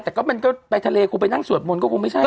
แต่ก็มันก็ไปทะเลคงไปนั่งสวดมนต์ก็คงไม่ใช่